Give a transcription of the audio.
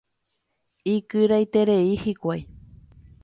Ikyraiterei hikuái.